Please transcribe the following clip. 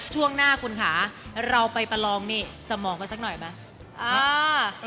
ช่วงหน้าคุณค่ะเราไปประลองนี่สมองกันสักหน่อยไหม